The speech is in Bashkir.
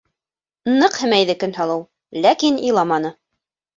Ныҡ һемәйҙе Көнһылыу, ләкин иламаны.